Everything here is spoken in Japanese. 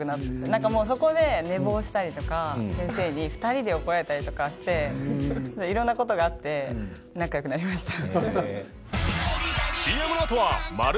なんかもうそこで寝坊したりとか先生に２人で怒られたりとかして色んな事があって仲良くなりました。